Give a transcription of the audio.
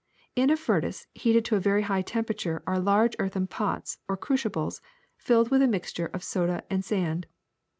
In a furnace heated to a very high temperature are large earthen pots or crucibles filled with a mixture of soda and sand.